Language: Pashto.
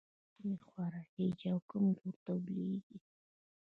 لمر له کومې خوا راخيژي او کوم لور ته لوېږي؟